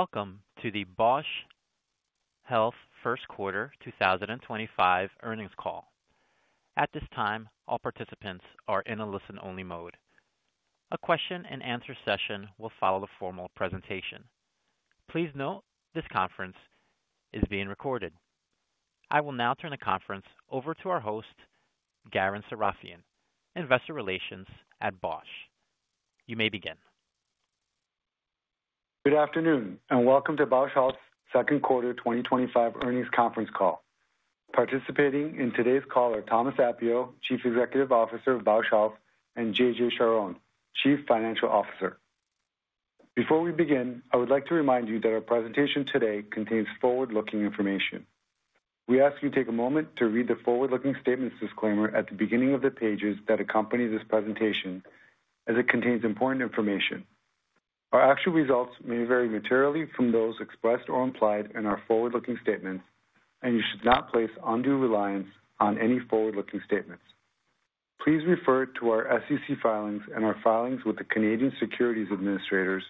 Welcome to the Bausch Health first quarter 2025 earnings call. At this time, all participants are in a listen-only mode. A question-and-answer session will follow the formal presentation. Please note this conference is being recorded. I will now turn the conference over to our host, Garen Sarafian, Investor Relations at Bausch. You may begin. Good afternoon and welcome to Bausch Health's second quarter 2025 earnings conference call. Participating in today's call are Thomas Appio, Chief Executive Officer of Bausch Health, and JJ Charhon, Chief Financial Officer. Before we begin, I would like to remind you that our presentation today contains forward-looking information. We ask you to take a moment to read the forward-looking statements disclaimer at the beginning of the pages that accompany this presentation, as it contains important information. Our actual results may vary materially from those expressed or implied in our forward-looking statements, and you should not place undue reliance on any forward-looking statements. Please refer to our SEC filings and our filings with the Canadian Securities Administrators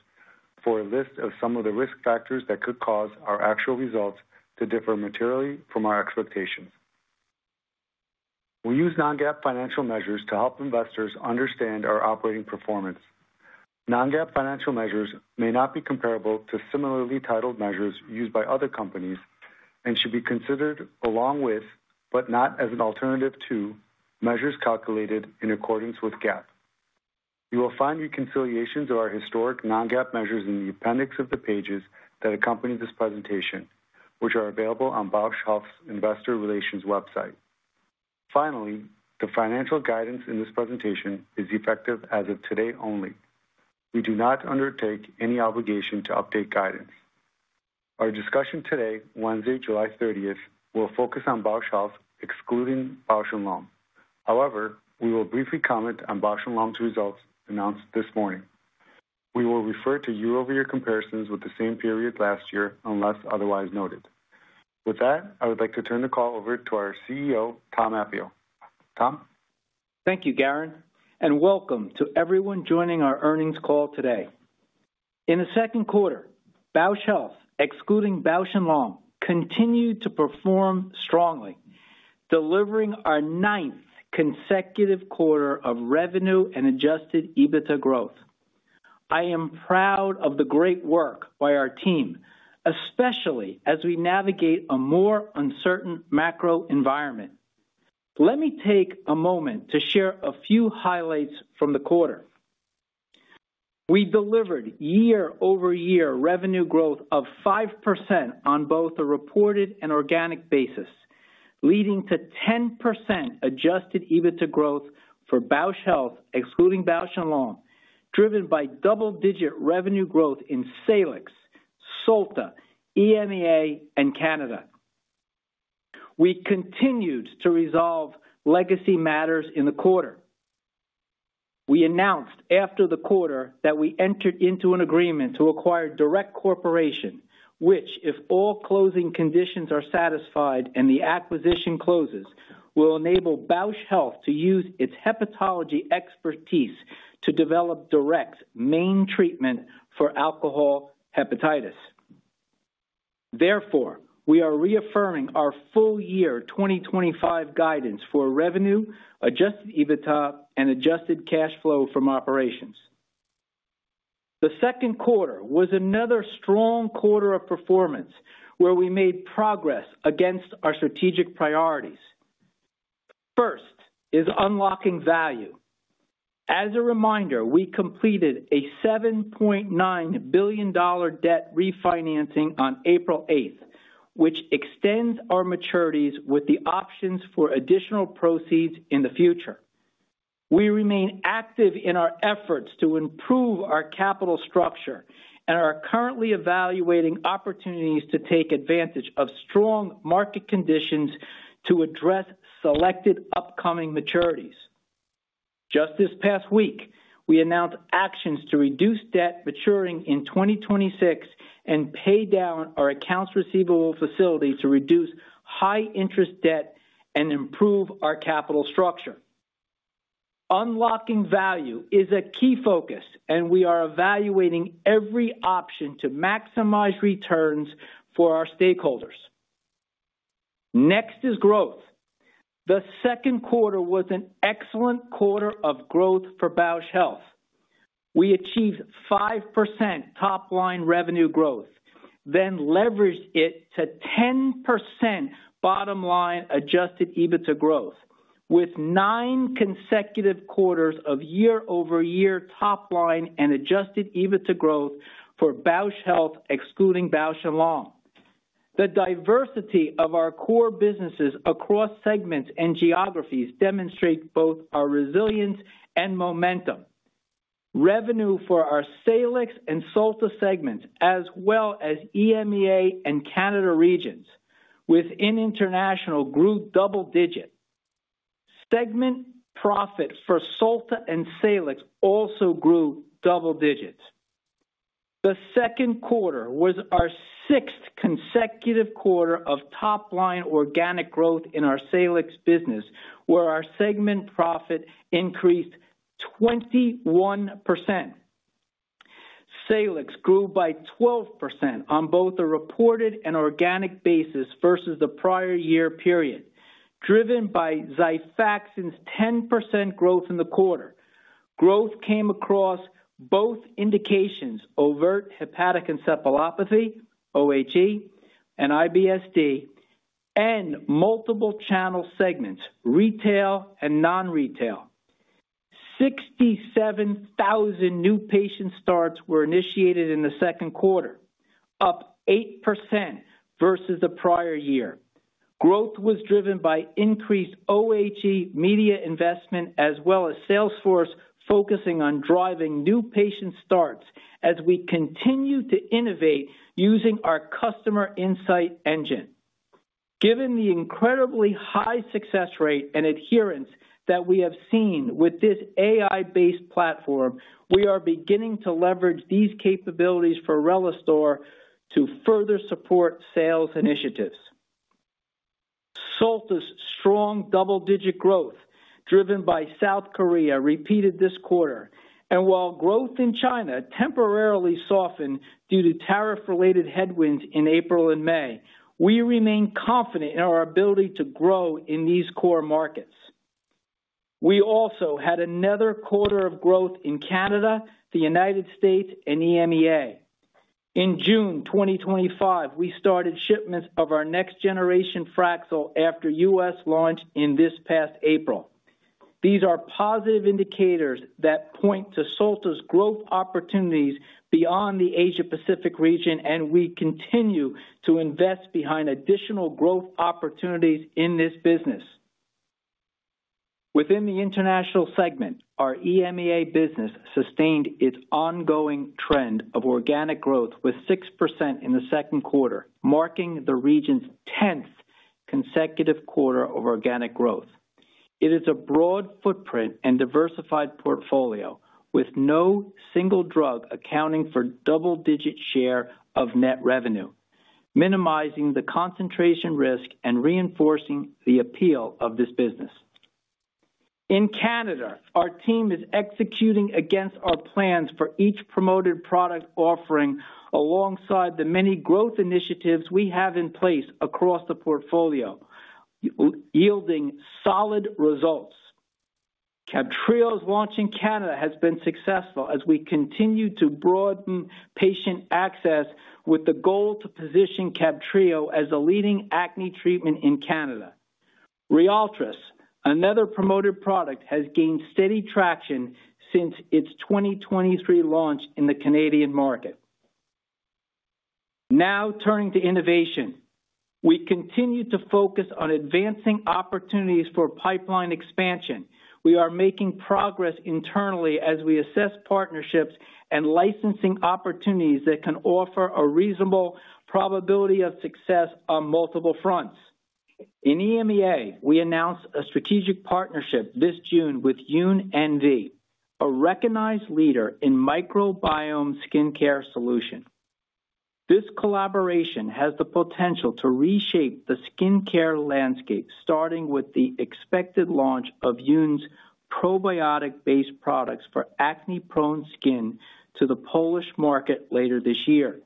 for a list of some of the risk factors that could cause our actual results to differ materially from our expectations. We use non-GAAP financial measures to help investors understand our operating performance. Non-GAAP financial measures may not be comparable to similarly titled measures used by other companies and should be considered along with, but not as an alternative to, measures calculated in accordance with GAAP. You will find reconciliations of our historic non-GAAP measures in the appendix of the pages that accompany this presentation, which are available on Bausch Health's Investor Relations website. Finally, the financial guidance in this presentation is effective as of today only. We do not undertake any obligation to update guidance. Our discussion today, Wednesday, July 30th, will focus on Bausch Health, excluding Bausch + Lomb. However, we will briefly comment on Bausch + Lomb's results announced this morning. We will refer to year-over-year comparisons with the same period last year unless otherwise noted. With that, I would like to turn the call over to our CEO, Tom Appio. Tom? Thank you, Garen, and welcome to everyone joining our earnings call today. In the second quarter, Bausch Health, excluding Bausch + Lomb, continued to perform strongly, delivering our ninth consecutive quarter of revenue and adjusted EBITDA growth. I am proud of the great work by our team, especially as we navigate a more uncertain macro environment. Let me take a moment to share a few highlights from the quarter. We delivered year-over-year revenue growth of 5% on both a reported and organic basis, leading to 10% adjusted EBITDA growth for Bausch Health, excluding Bausch + Lomb, driven by double-digit revenue growth in Salix, Solta, EMEA, and Canada. We continued to resolve legacy matters in the quarter. We announced after the quarter that we entered into an agreement to acquire DURECT Corporation, which, if all closing conditions are satisfied and the acquisition closes, will enable Bausch Health to use its hepatology expertise to develop DURECT's main treatment for alcohol-associated hepatitis. Therefore, we are reaffirming our full-year 2025 guidance for revenue, adjusted EBITDA, and adjusted cash flow from operations. The second quarter was another strong quarter of performance where we made progress against our strategic priorities. First is unlocking value. As a reminder, we completed a $7.9 billion debt refinancing on April 8, which extends our maturities with the options for additional proceeds in the future. We remain active in our efforts to improve our capital structure and are currently evaluating opportunities to take advantage of strong market conditions to address selected upcoming maturities. Just this past week, we announced actions to reduce debt maturing in 2026 and pay down our accounts receivable facility to reduce high-interest debt and improve our capital structure. Unlocking value is a key focus, and we are evaluating every option to maximize returns for our stakeholders. Next is growth. The second quarter was an excellent quarter of growth for Bausch Health. We achieved 5% top-line revenue growth, then leveraged it to 10% bottom-line adjusted EBITDA growth, with nine consecutive quarters of year-over-year top-line and adjusted EBITDA growth for Bausch Health, excluding Bausch + Lomb. The diversity of our core businesses across segments and geographies demonstrates both our resilience and momentum. Revenue for our Salix and Solta segments, as well as EMEA and Canada regions, within international grew double-digit. Segment profit for Solta and Salix also grew double-digits. The second quarter was our sixth consecutive quarter of top-line organic growth in our Salix business, where our segment profit increased 21%. Salix grew by 12% on both a reported and organic basis versus the prior year period, driven by Xifaxan's 10% growth in the quarter. Growth came across both indications: overt hepatic encephalopathy, OHE, and IBS-D, and multiple channel segments, retail and non-retail. 67,000 new patient starts were initiated in the second quarter, up 8% versus the prior year. Growth was driven by increased OHE media investment, as well as Salesforce focusing on driving new patient starts as we continue to innovate using our customer insight engine. Given the incredibly high success rate and adherence that we have seen with this AI-based platform, we are beginning to leverage these capabilities for Relistor to further support sales initiatives. Solta's strong double-digit growth, driven by South Korea, repeated this quarter, and while growth in China temporarily softened due to tariff-related headwinds in April and May, we remain confident in our ability to grow in these core markets. We also had another quarter of growth in Canada, the U.S., and EMEA. In June 2025, we started shipments of our next-generation Fraxel after US launch in this past April. These are positive indicators that point to Solta's growth opportunities beyond the Asia-Pacific region, and we continue to invest behind additional growth opportunities in this business. Within the international segment, our EMEA business sustained its ongoing trend of organic growth with 6% in the second quarter, marking the region's 10th consecutive quarter of organic growth. It is a broad footprint and diversified portfolio, with no single drug accounting for double-digit share of net revenue, minimizing the concentration risk and reinforcing the appeal of this business. In Canada, our team is executing against our plans for each promoted product offering alongside the many growth initiatives we have in place across the portfolio, yielding solid results. CABTREO's launch in Canada has been successful as we continue to broaden patient access with the goal to position CABTREO as a leading acne treatment in Canada. Rialtris, another promoted product, has gained steady traction since its 2023 launch in the Canadian market. Now turning to innovation, we continue to focus on advancing opportunities for pipeline expansion. We are making progress internally as we assess partnerships and licensing opportunities that can offer a reasonable probability of success on multiple fronts. In EMEA, we announced a strategic partnership this June with YunNV, a recognized leader in microbiome skincare solutions. This collaboration has the potential to reshape the skincare landscape, starting with the expected launch of Yun's probiotic-based products for acne-prone skin to the Polish market later this year.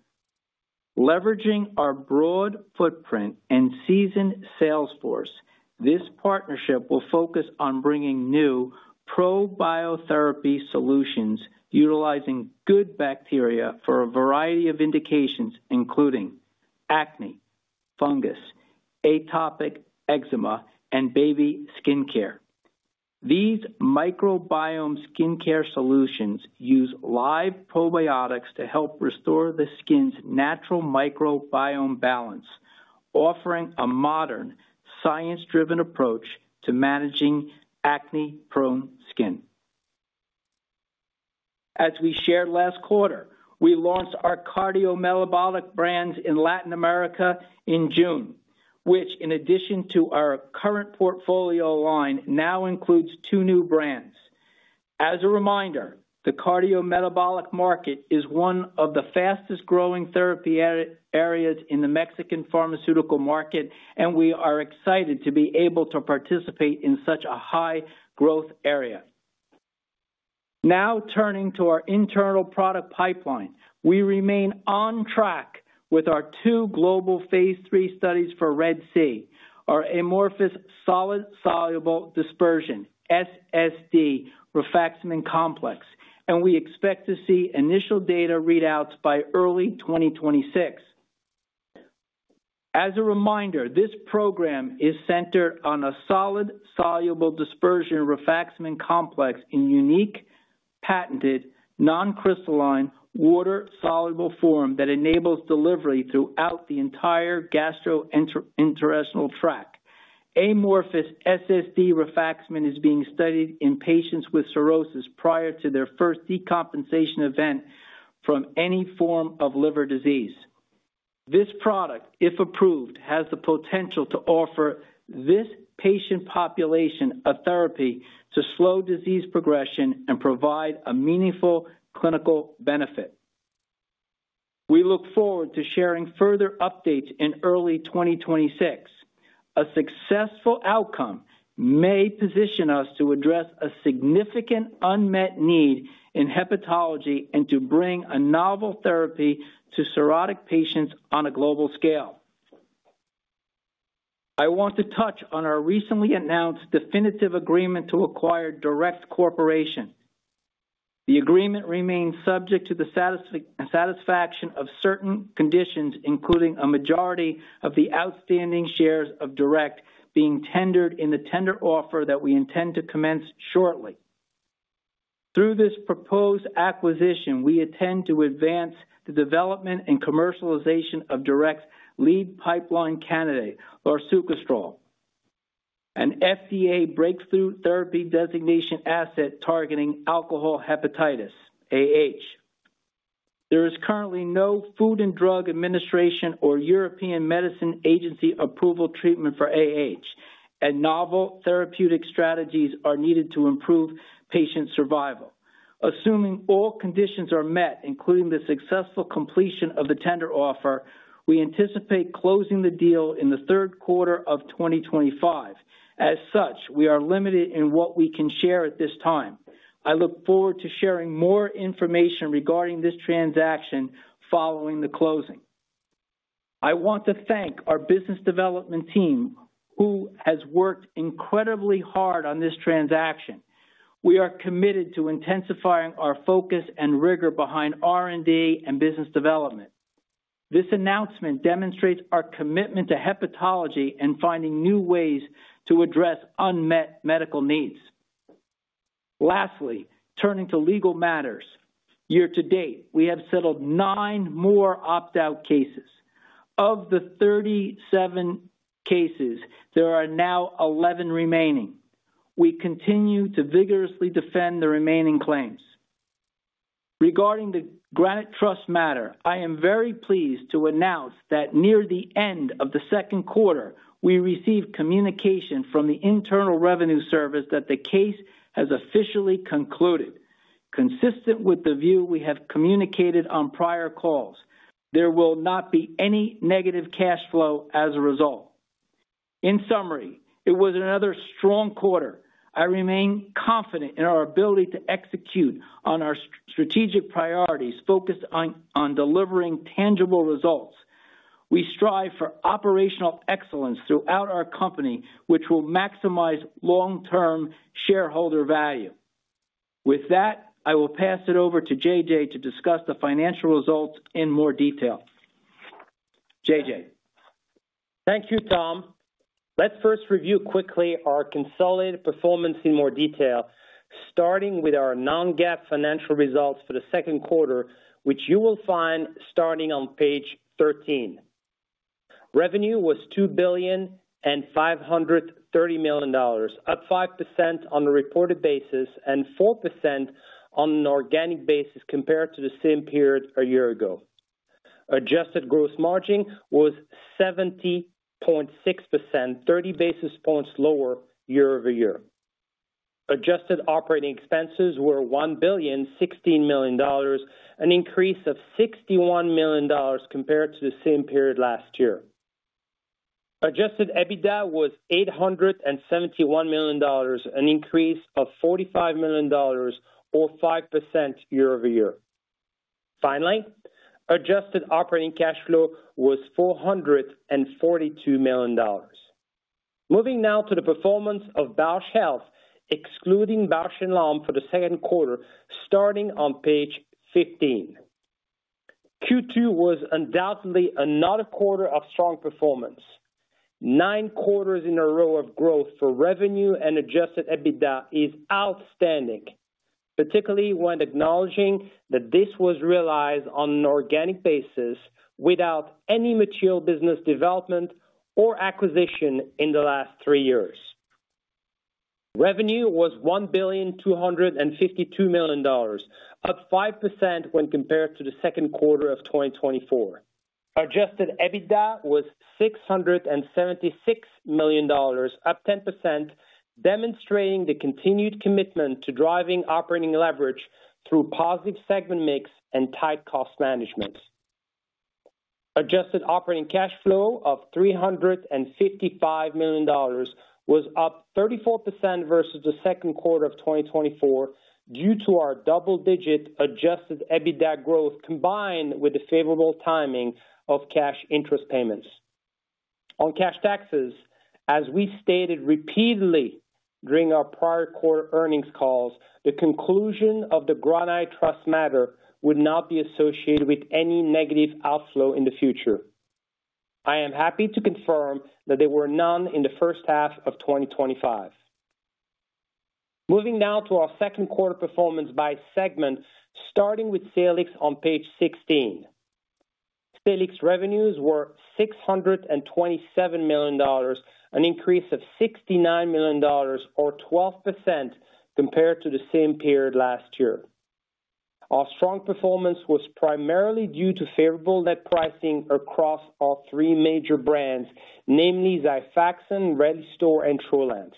Leveraging our broad footprint and seasoned sales force, this partnership will focus on bringing new probiotherapy solutions utilizing good bacteria for a variety of indications, including acne, fungus, atopic eczema, and baby skincare. These microbiome skincare solutions use live probiotics to help restore the skin's natural microbiome balance, offering a modern, science-driven approach to managing acne-prone skin. As we shared last quarter, we launched our cardiometabolic brands in Latin America in June, which, in addition to our current portfolio line, now includes two new brands. As a reminder, the cardiometabolic market is one of the fastest growing therapy areas in the Mexican pharmaceutical market, and we are excited to be able to participate in such a high growth area. Now turning to our internal product pipeline, we remain on track with our two global Phase III studies for RED-C, our amorphous solid soluble dispersion, SSD, rifaximin complex, and we expect to see initial data readouts by early 2026. As a reminder, this program is centered on a solid soluble dispersion rifaximin complex in unique, patented, non-crystalline, water-soluble form that enables delivery throughout the entire gastrointestinal tract. Amorphous SSD rifaximin is being studied in patients with cirrhosis prior to their first decompensation event from any form of liver disease. This product, if approved, has the potential to offer this patient population a therapy to slow disease progression and provide a meaningful clinical benefit. We look forward to sharing further updates in early 2026. A successful outcome may position us to address a significant unmet need in hepatology and to bring a novel therapy to cirrhotic patients on a global scale. I want to touch on our recently announced definitive agreement to acquire DURECT Corporation. The agreement remains subject to the satisfaction of certain conditions, including a majority of the outstanding shares of DURECT being tendered in the tender offer that we intend to commence shortly. Through this proposed acquisition, we intend to advance the development and commercialization of DURECT's lead pipeline candidate, larsucosterol, an FDA breakthrough therapy designation asset targeting alcohol-associated hepatitis. There is currently no Food and Drug Administration or European Medicines Agency approved treatment for this, and novel therapeutic strategies are needed to improve patient survival. Assuming all conditions are met, including the successful completion of the tender offer, we anticipate closing the deal in the third quarter of 2025. As such, we are limited in what we can share at this time. I look forward to sharing more information regarding this transaction following the closing. I want to thank our business development team, who has worked incredibly hard on this transaction. We are committed to intensifying our focus and rigor behind R&D and business development. This announcement demonstrates our commitment to hepatology and finding new ways to address unmet medical needs. Lastly, turning to legal matters, year to date, we have settled nine more opt-out cases. Of the 37 cases, there are now 11 remaining. We continue to vigorously defend the remaining claims. Regarding the Granite Trust matter, I am very pleased to announce that near the end of the second quarter, we received communication from the Internal Revenue Service that the case has officially concluded, consistent with the view we have communicated on prior calls. There will not be any negative cash flow as a result. In summary, it was another strong quarter. I remain confident in our ability to execute on our strategic priorities focused on delivering tangible results. We strive for operational excellence throughout our company, which will maximize long-term shareholder value. With that, I will pass it over to JJ to discuss the financial results in more detail. JJ. Thank you, Tom. Let's first review quickly our consolidated performance in more detail, starting with our non-GAAP financial results for the second quarter, which you will find starting on page 13. Revenue was $2.530 billion up 5% on a reported basis and 4% on an organic basis compared to the same period a year ago. Adjusted gross margin was 70.6%, 30 basis points lower year-over-year. Adjusted operating expenses were $1.016 billion, an increase of $61 million compared to the same period last year. Adjusted EBITDA was $871 million, an increase of $45 million or 5% year-over-year. Finally, adjusted operating cash flow was $442 million. Moving now to the performance of Bausch Health, excluding Bausch + Lomb for the second quarter, starting on page 15. Q2 was undoubtedly another quarter of strong performance. Nine quarters in a row of growth for revenue and adjusted EBITDA is outstanding, particularly when acknowledging that this was realized on an organic basis without any material business development or acquisition in the last three years. Revenue was $1.252 billion, up 5% when compared to the second quarter of 2024. Adjusted EBITDA was $676 million, up 10%, demonstrating the continued commitment to driving operating leverage through positive segment mix and tight cost management. Adjusted operating cash flow of $355 million was up 34% versus the second quarter of 2024 due to our double-digit adjusted EBITDA growth combined with the favorable timing of cash interest payments. On cash taxes, as we stated repeatedly during our prior quarter earnings calls, the conclusion of the Granite Trust matter would not be associated with any negative outflow in the future. I am happy to confirm that there were none in the first half of 2025. Moving now to our second quarter performance by segment, starting with Salix on page 16. Salix revenues were $627 million, an increase of $69 million or 12% compared to the same period last year. Our strong performance was primarily due to favorable net pricing across our three major brands, namely Xifaxan, Relistor, and Trulance.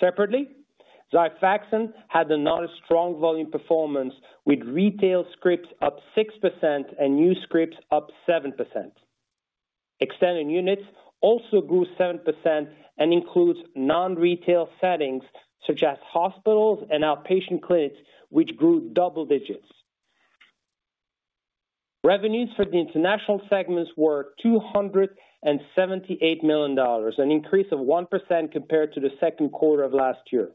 Separately, Xifaxan had another strong volume performance with retail scripts up 6% and new scripts up 7%. Extended units also grew 7% and includes non-retail settings such as hospitals and outpatient clinics, which grew double digits. Revenues for the international segments were $278 million, an increase of 1% compared to the second quarter of last year.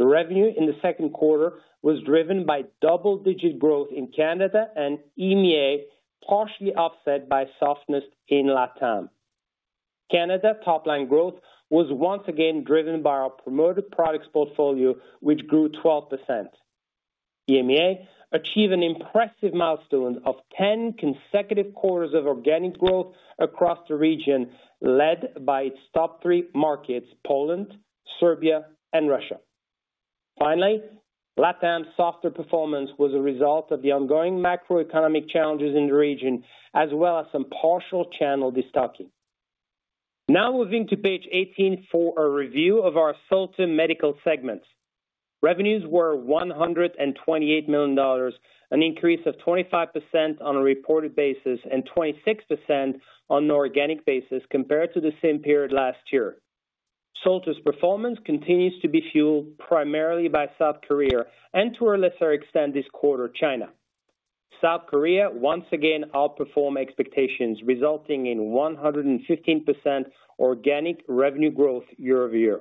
The revenue in the second quarter was driven by double-digit growth in Canada and EMEA, partially offset by softness in LatAm. Canada top-line growth was once again driven by our promoted products portfolio, which grew 12%. EMEA achieved an impressive milestone of 10 consecutive quarters of organic growth across the region, led by its top three markets: Poland, Serbia, and Russia. Finally, LatAm's softer performance was a result of the ongoing macroeconomic challenges in the region, as well as some partial channel dysfunction. Now moving to page 18 for a review of our Solta Medical segments. Revenues were $128 million, an increase of 25% on a reported basis and 26% on an organic basis compared to the same period last year. Solta's performance continues to be fueled primarily by South Korea and, to a lesser extent, this quarter, China. South Korea once again outperformed expectations, resulting in 115% organic revenue growth year-over-year.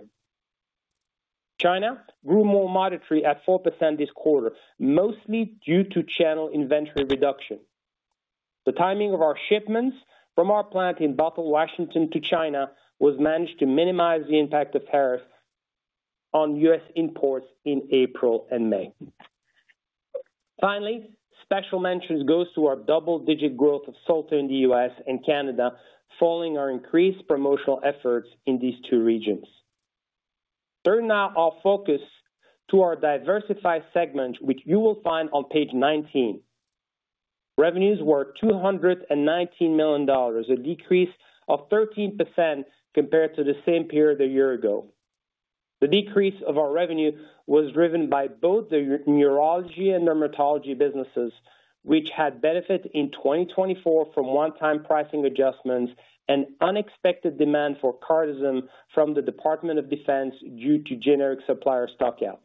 China grew more moderately at 4% this quarter, mostly due to channel inventory reduction. The timing of our shipments from our plant in Bothell, Washington, to China was managed to minimize the impact of tariffs on U.S. imports in April and May. Finally, special mention goes to our double-digit growth of Solta in the U.S. and Canada, following our increased promotional efforts in these two regions. Turn now our focus to our diversified segment, which you will find on page 19. Revenues were $219 million, a decrease of 13% compared to the same period a year ago. The decrease of our revenue was driven by both the neurology and dermatology businesses, which had benefited in 2024 from one-time pricing adjustments and unexpected demand for Cardizem from the Department of Defense due to generic supplier stockouts.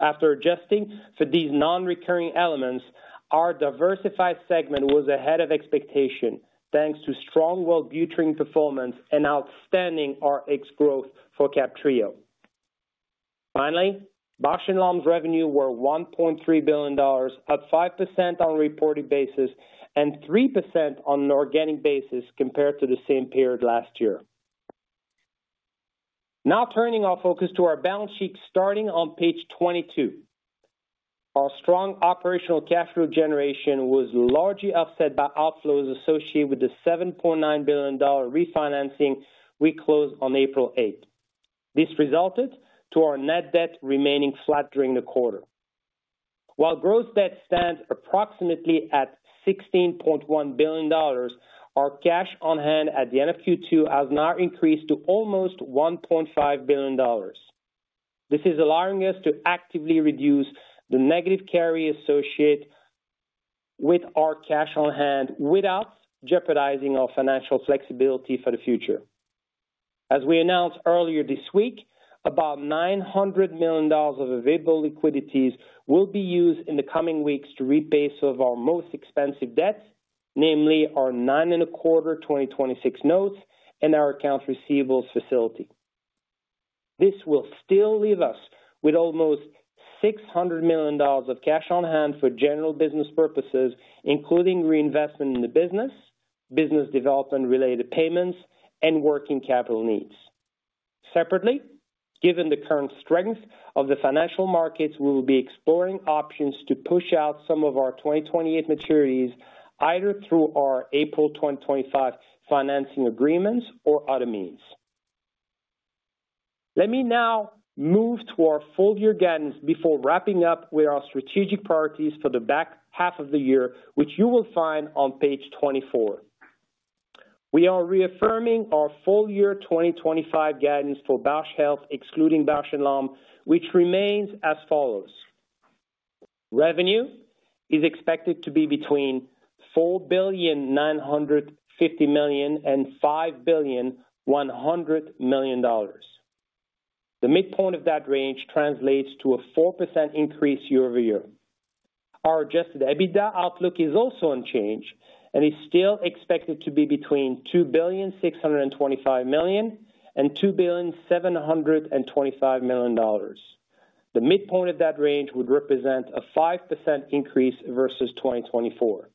After adjusting for these non-recurring elements, our diversified segment was ahead of expectation, thanks to strong Wellbutrin performance and outstanding Rx growth for CABTREO. Finally, Bausch + Lomb's revenue were $1.3 billion, up 5% on a reported basis and 3% on an organic basis compared to the same period last year. Now turning our focus to our balance sheet, starting on page 22, our strong operational cash flow generation was largely offset by outflows associated with the $7.9 billion refinancing we closed on April 8. This resulted in our net debt remaining flat during the quarter. While gross debt stands approximately at $16.1 billion, our cash on hand at the end of Q2 has now increased to almost $1.5 billion. This is allowing us to actively reduce the negative carry associated with our cash on hand without jeopardizing our financial flexibility for the future. As we announced earlier this week, about $900 million of available liquidities will be used in the coming weeks to repay some of our most expensive debts, namely our 9.25% 2026 notes and our accounts receivables facility. This will still leave us with almost $600 million of cash on hand for general business purposes, including reinvestment in the business, business development-related payments, and working capital needs. Separately, given the current strength of the financial markets, we will be exploring options to push out some of our 2028 maturities either through our April 2025 financing agreements or other means. Let me now move to our full-year guidance before wrapping up with our strategic priorities for the back half of the year, which you will find on page 24. We are reaffirming our full-year 2025 guidance for Bausch Health, excluding Bausch + Lomb, which remains as follows: revenue is expected to be between $4.950 billion and $5.1 billion. The midpoint of that range translates to a 4% increase year-over-year. Our adjusted EBITDA outlook is also unchanged and is still expected to be between $2.625 billion and $2.725 billion. The midpoint of that range would represent a 5% increase versus 2024.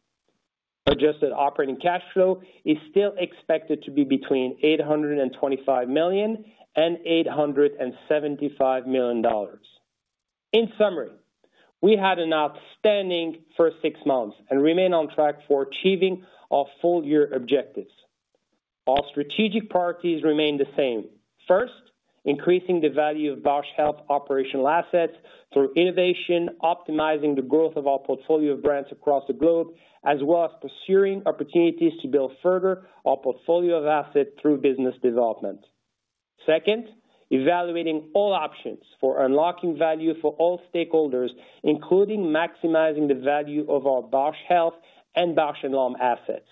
Adjusted operating cash flow is still expected to be between $825 million and $875 million. In summary, we had an outstanding first six months and remain on track for achieving our full-year objectives. Our strategic priorities remain the same: first, increasing the value of Bausch Health operational assets through innovation, optimizing the growth of our portfolio of brands across the globe, as well as pursuing opportunities to build further our portfolio of assets through business development. Second, evaluating all options for unlocking value for all stakeholders, including maximizing the value of our Bausch Health and Bausch + Lomb assets.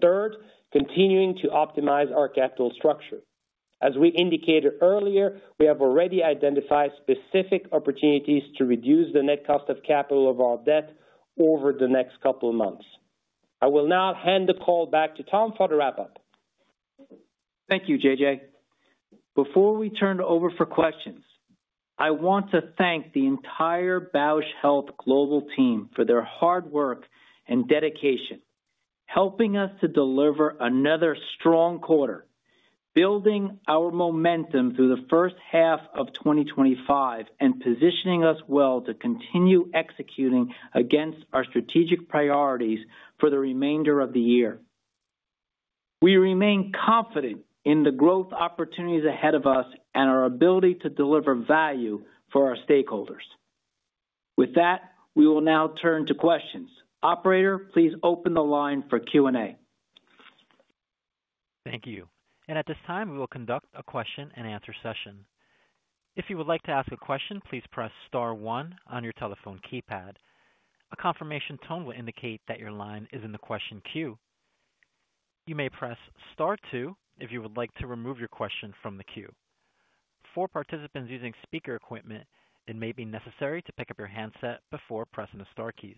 Third, continuing to optimize our capital structure. As we indicated earlier, we have already identified specific opportunities to reduce the net cost of capital of our debt over the next couple of months. I will now hand the call back to Tom for the wrap-up. Thank you, JJ. Before we turn it over for questions, I want to thank the entire Bausch Health global team for their hard work and dedication, helping us to deliver another strong quarter, building our momentum through the first half of 2025, and positioning us well to continue executing against our strategic priorities for the remainder of the year. We remain confident in the growth opportunities ahead of us and our ability to deliver value for our stakeholders. With that, we will now turn to questions. Operator, please open the line for Q&A. Thank you. At this time, we will conduct a question and answer session. If you would like to ask a question, please press star one on your telephone keypad. A confirmation tone will indicate that your line is in the question queue. You may press star two if you would like to remove your question from the queue. For participants using speaker equipment, it may be necessary to pick up your handset before pressing the star keys.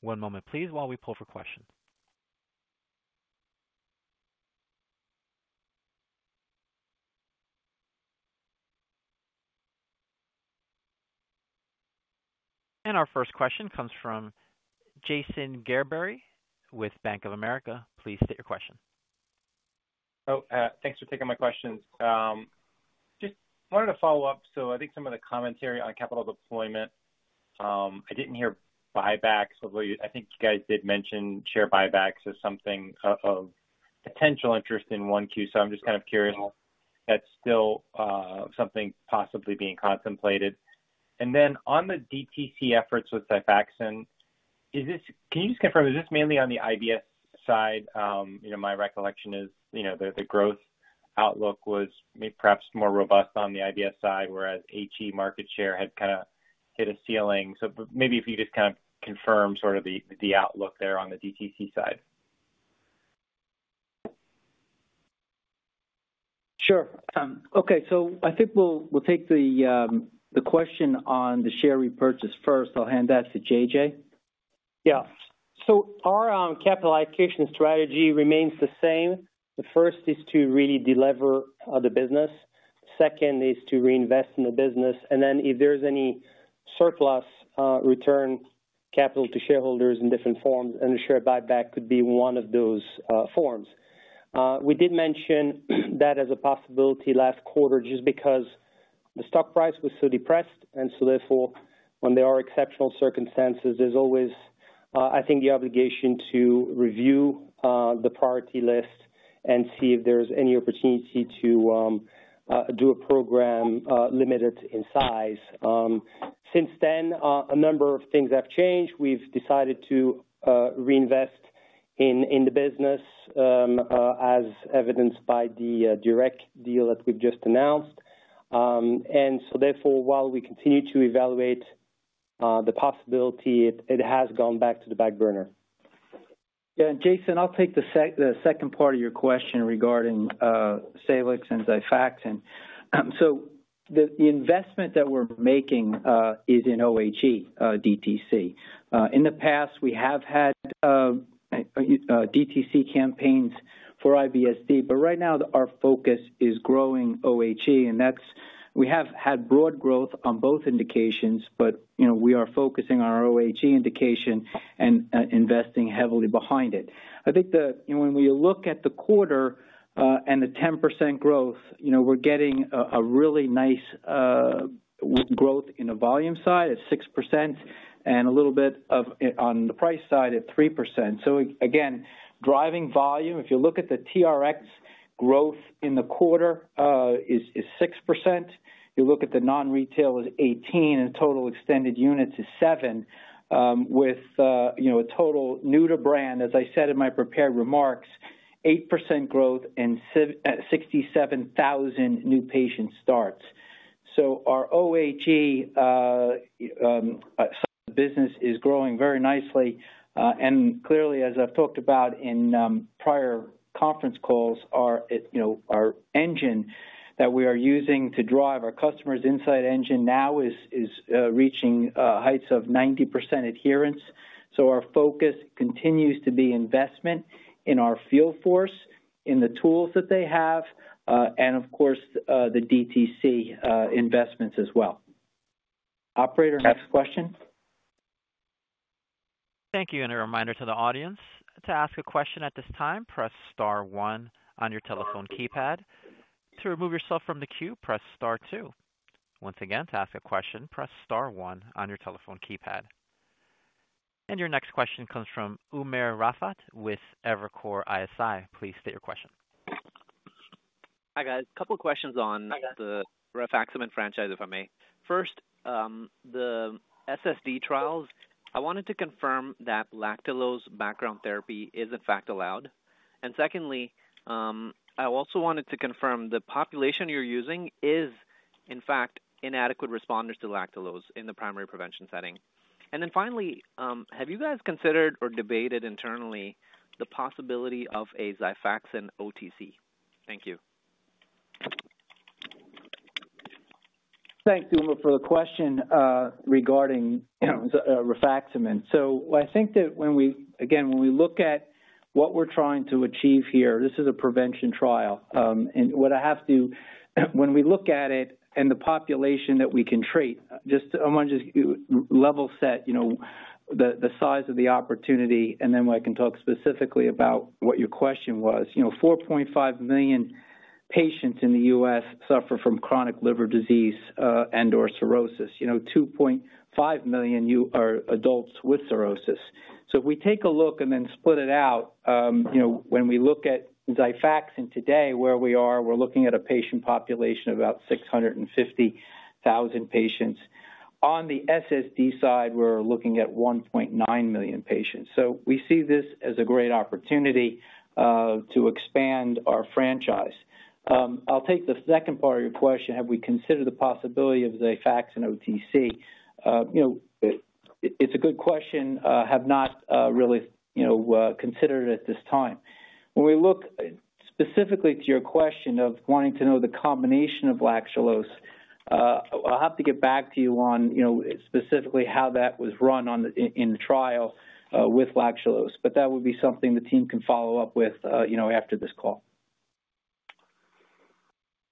One moment, please, while we pull for questions. Our first question comes from Jason Gerberry with Bank of America. Please state your question. Thanks for taking my questions. I just wanted to follow up. I think some of the commentary on capital deployment, I didn't hear buybacks, although I think you guys did mention share buybacks as something of potential interest in Q1. I'm just kind of curious if that's still something possibly being contemplated. On the DTC efforts with Xifaxan, can you just confirm, is this mainly on the IBS side? My recollection is the growth outlook was perhaps more robust on the IBS side, whereas HE market share had kind of hit a ceiling. Maybe if you could just confirm sort of the outlook there on the DTC side. Sure. Okay. I think we'll take the question on the share repurchase first. I'll hand that to JJ. Yeah. Our capitalization strategy remains the same. The first is to really deliver the business. The second is to reinvest in the business. If there's any surplus, return capital to shareholders in different forms, and a share buyback could be one of those forms. We did mention that as a possibility last quarter just because the stock price was so depressed. Therefore, when there are exceptional circumstances, there's always, I think, the obligation to review the priority list and see if there's any opportunity to do a program limited in size. Since then, a number of things have changed. We've decided to reinvest in the business, as evidenced by the direct deal that we've just announced. Therefore, while we continue to evaluate the possibility, it has gone back to the back burner. Yeah. Jason, I'll take the second part of your question regarding Salix and Xifaxan. The investment that we're making is in OHE DTC. In the past, we have had DTC campaigns for IBSD, but right now our focus is growing OHE. We have had broad growth on both indications, but we are focusing on our OHE indication and investing heavily behind it. I think that when you look at the quarter and the 10% growth, we're getting a really nice growth in the volume side at 6% and a little bit on the price side at 3%. Again, driving volume, if you look at the TRX growth in the quarter is 6%. You look at the non-retail as 18% and total extended units is 7%, with a total new to brand, as I said in my prepared remarks, 8% growth and 67,000 new patient starts. Our OHE side of the business is growing very nicely. Clearly, as I've talked about in prior conference calls, our engine that we are using to drive our customers' insight engine now is reaching heights of 90% adherence. Our focus continues to be investment in our field force, in the tools that they have, and of course, the DTC investments as well. Operator, next question. Thank you. A reminder to the audience, to ask a question at this time, press star one on your telephone keypad. To remove yourself from the queue, press star two. Once again, to ask a question, press star one on your telephone keypad. Your next question comes from Umer Raffat with Evercore ISI. Please state your question. Hi guys. A couple of questions on the rifaximin franchise, if I may. First, the SSD trials, I wanted to confirm that lactulose background therapy is in fact allowed. I also wanted to confirm the population you're using is in fact inadequate responders to lactulose in the primary prevention setting. Finally, have you guys considered or debated internally the possibility of a Xifaxan OTC? Thank you. Thanks, Umer, for the question regarding Xifaxan. I think that when we look at what we're trying to achieve here, this is a prevention trial. What I have to do when we look at it and the population that we can treat, I want to just level set the size of the opportunity. Then I can talk specifically about what your question was. 4.5 million patients in the U.S. suffer from chronic liver disease and/or cirrhosis. 2.5 million are adults with cirrhosis. If we take a look and then split it out, when we look at Xifaxan today, where we are, we're looking at a patient population of about 650,000 patients. On the SSD side, we're looking at 1.9 million patients. We see this as a great opportunity to expand our franchise. I'll take the second part of your question. Have we considered the possibility of Xifaxan OTC? It's a good question. I have not really considered it at this time. When we look specifically to your question of wanting to know the combination of lactulose, I'll have to get back to you on specifically how that was run in the trial with lactulose. That would be something the team can follow up with after this call.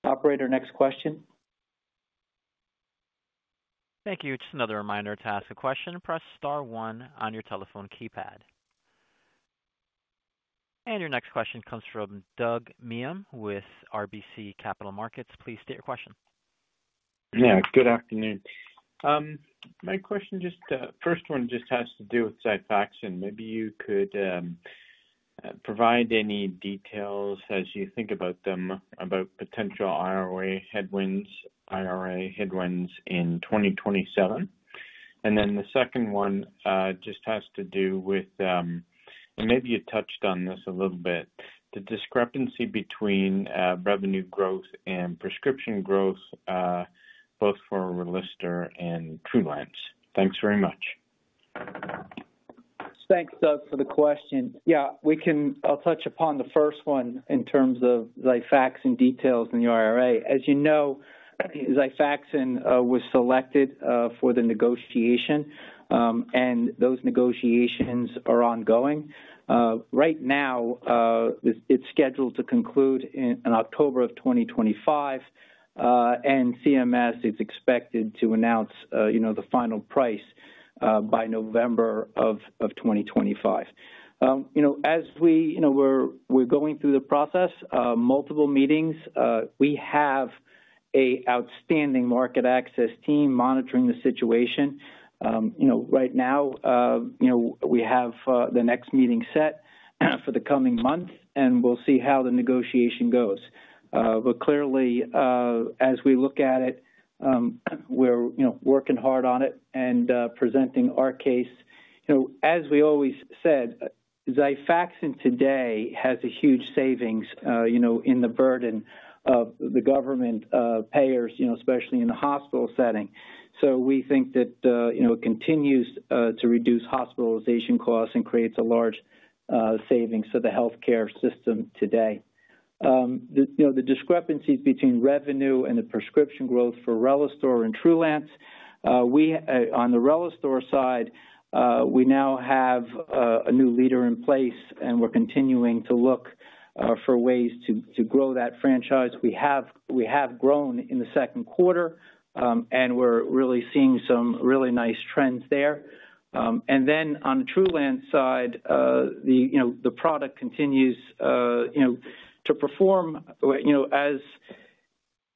Operator, next question. Thank you. Just another reminder to ask a question, press star one on your telephone keypad. Your next question comes from Doug Miehm with RBC Capital Markets. Please state your question. Yeah. Good afternoon. My question just, first one just has to do with Xifaxan. Maybe you could provide any details as you think about them, about potential IRA headwinds in 2027. The second one just has to do with, and maybe you touched on this a little bit, the discrepancy between revenue growth and prescription growth, both for Relistor and Trulance. Thanks very much. Thanks, Doug, for the question. Yeah, we can, I'll touch upon the first one in terms of Xifaxan details in the IRA. As you know, Xifaxan was selected for the negotiation, and those negotiations are ongoing. Right now, it's scheduled to conclude in October of 2025, and CMS is expected to announce the final price by November of 2025. As we're going through the process, multiple meetings, we have an outstanding market access team monitoring the situation. Right now, we have the next meeting set for the coming month, and we'll see how the negotiation goes. Clearly, as we look at it, we're working hard on it and presenting our case. As we always said, Xifaxan today has a huge savings in the burden of the government payers, especially in the hospital setting. We think that it continues to reduce hospitalization costs and creates a large savings for the healthcare system today. The discrepancies between revenue and the prescription growth for Relistor and Trulance, on the Relistor side, we now have a new leader in place, and we're continuing to look for ways to grow that franchise. We have grown in the second quarter, and we're really seeing some really nice trends there. On the Trulance side, the product continues to perform.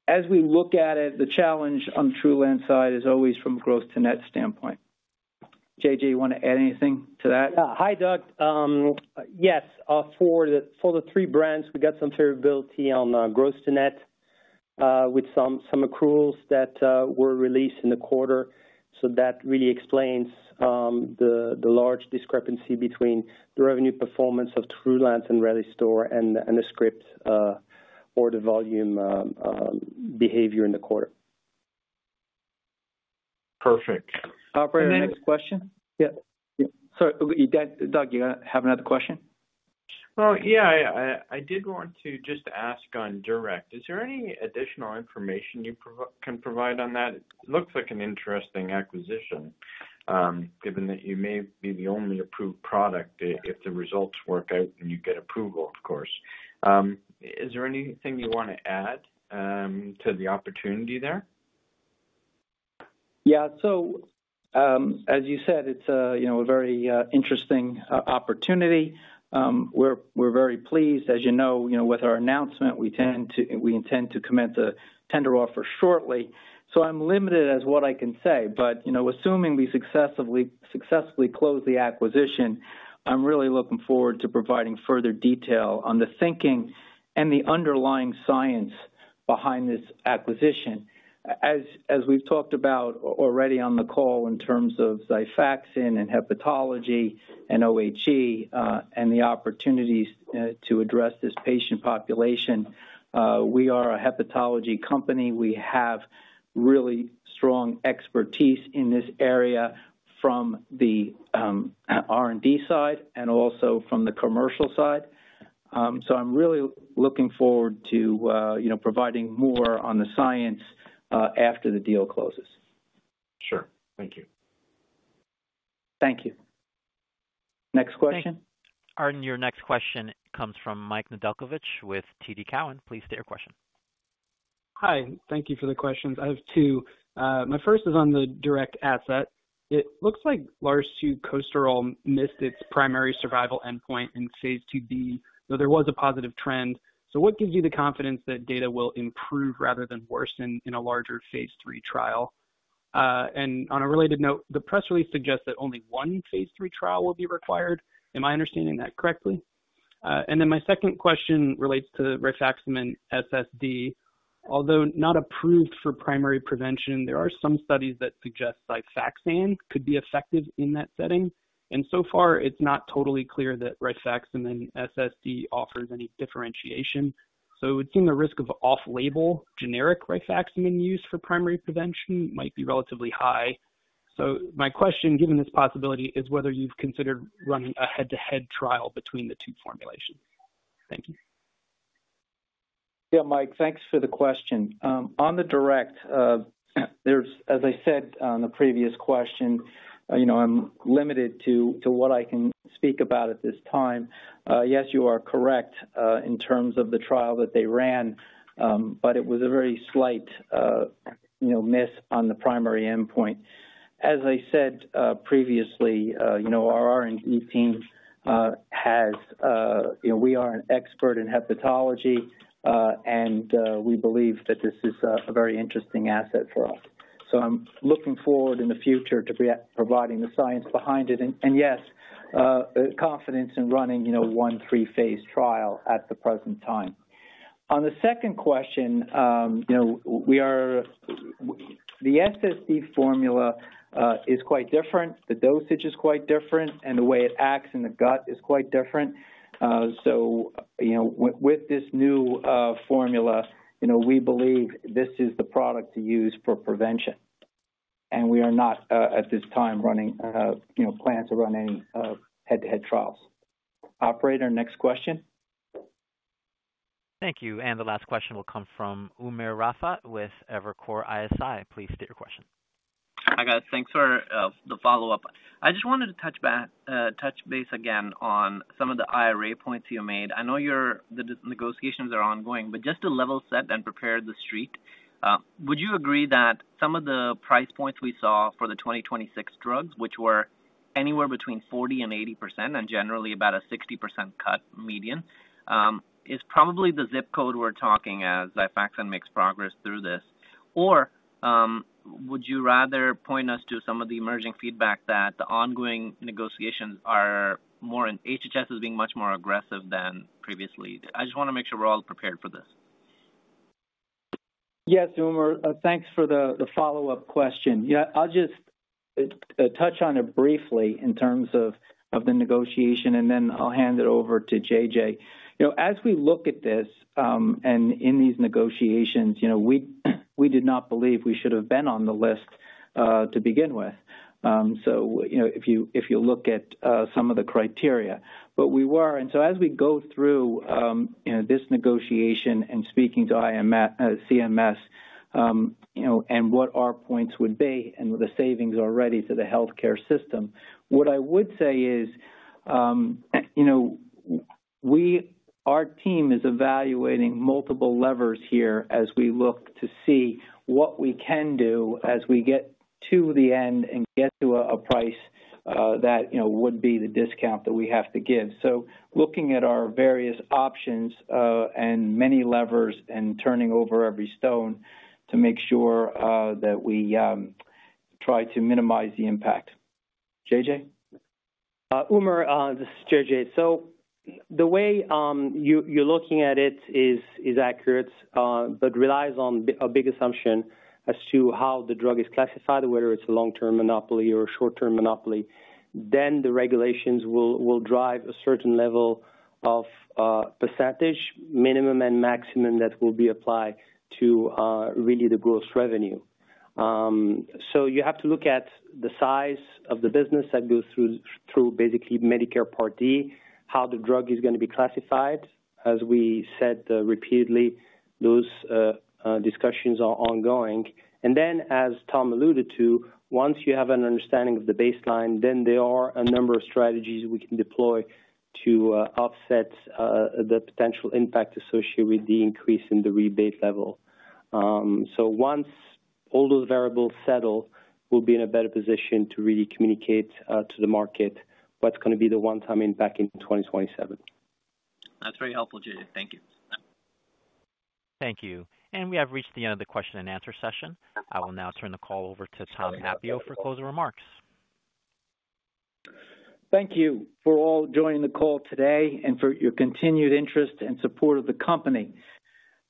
As we look at it, the challenge on the Trulance side is always from a gross-to-net standpoint. JJ, you want to add anything to that? Yeah. Hi, Doug. Yes, for the three brands, we got some favorability on gross-to-net with some accruals that were released in the quarter. That really explains the large discrepancy between the revenue performance of Trulance and Relistor and the script order volume behavior in the quarter. Perfect. Operator, next question? Yeah. Yeah. Sorry, Doug, you have another question? I did want to just ask on Direct. Is there any additional information you can provide on that? It looks like an interesting acquisition, given that you may be the only approved product if the results work out and you get approval, of course. Is there anything you want to add to the opportunity there? Yeah. As you said, it's a very interesting opportunity. We're very pleased. As you know, with our announcement, we intend to commence a tender offer shortly. I'm limited as to what I can say. Assuming we successfully close the acquisition, I'm really looking forward to providing further detail on the thinking and the underlying science behind this acquisition. As we've talked about already on the call in terms of Xifaxan and hepatology and OHE and the opportunities to address this patient population, we are a hepatology company. We have really strong expertise in this area from the R&D side and also from the commercial side. I'm really looking forward to providing more on the science after the deal closes. Sure. Thank you. Thank you. Next question. Your next question comes from Michael Nedelcovych with TD Cowen. Please state your question. Hi. Thank you for the questions. I have two. My first is on the DURECT asset. It looks like larsucosterol missed its primary survival endpoint in Phase IIb, though there was a positive trend. What gives you the confidence that data will improve rather than worsen in a larger Phase III trial? On a related note, the press release suggests that only one Phase III trial will be required. Am I understanding that correctly? My second question relates to rifaximin SSD. Although not approved for primary prevention, there are some studies that suggest Xifaxan could be effective in that setting. It is not totally clear that rifaximin SSD offers any differentiation. It would seem the risk of off-label generic rifaximin use for primary prevention might be relatively high. My question, given this possibility, is whether you've considered running a head-to-head trial between the two formulations. Thank you. Yeah, Mike, thanks for the question. On the Direct, as I said on the previous question, I'm limited to what I can speak about at this time. Yes, you are correct in terms of the trial that they ran, but it was a very slight miss on the primary endpoint. As I said previously, our R&D team has, you know, we are an expert in hepatology, and we believe that this is a very interesting asset for us. I'm looking forward in the future to providing the science behind it. Yes, confidence in running one three-phase trial at the present time. On the second question, the SSD formula is quite different. The dosage is quite different, and the way it acts in the gut is quite different. With this new formula, we believe this is the product to use for prevention. We are not at this time planning to run any head-to-head trials. Operator, next question. Thank you. The last question will come from Umer Raffat with Evercore ISI. Please state your question. Hi guys, thanks for the follow-up. I just wanted to touch base again on some of the IRA points you made. I know the negotiations are ongoing, but just to level set and prepare the street, would you agree that some of the price points we saw for the 2026 drugs, which were anywhere between 40% and 80% and generally about a 60% cut median, is probably the zip code we're talking as Xifaxan makes progress through this? Or would you rather point us to some of the emerging feedback that the ongoing negotiations are more in HHS is being much more aggressive than previously? I just want to make sure we're all prepared for this. Yes, Umer, thanks for the follow-up question. I'll just touch on it briefly in terms of the negotiation, and then I'll hand it over to JJ. As we look at this and in these negotiations, we did not believe we should have been on the list to begin with. If you look at some of the criteria, but we were. As we go through this negotiation and speaking to CMS and what our points would be and the savings already to the healthcare system, what I would say is our team is evaluating multiple levers here as we look to see what we can do as we get to the end and get to a price that would be the discount that we have to give. Looking at our various options and many levers and turning over every stone to make sure that we try to minimize the impact. JJ? Umer, this is JJ. The way you're looking at it is accurate, but relies on a big assumption as to how the drug is classified, whether it's a long-term monopoly or a short-term monopoly. The regulations will drive a certain level of percentage, minimum and maximum, that will be applied to really the gross revenue. You have to look at the size of the business that goes through basically Medicare Part D, how the drug is going to be classified. As we said repeatedly, those discussions are ongoing. As Tom alluded to, once you have an understanding of the baseline, there are a number of strategies we can deploy to offset the potential impact associated with the increase in the rebate level. Once all those variables settle, we'll be in a better position to really communicate to the market what's going to be the one-time impact in 2027. That's very helpful, JJ. Thank you. We have reached the end of the question and answer session. I will now turn the call over to Tom Appio for closing remarks. Thank you for all joining the call today and for your continued interest and support of the company.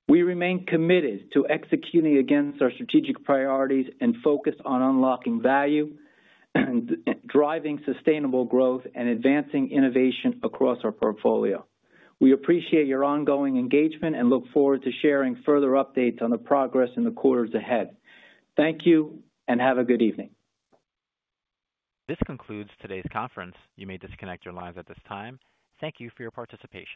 We remain committed to executing against our strategic priorities and focus on unlocking value, driving sustainable growth, and advancing innovation across our portfolio. We appreciate your ongoing engagement and look forward to sharing further updates on the progress in the quarters ahead. Thank you and have a good evening. This concludes today's conference. You may disconnect your lines at this time. Thank you for your participation.